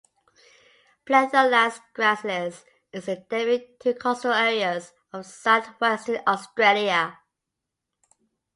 "Pletholax gracilis" is endemic to coastal areas of southwestern Australia.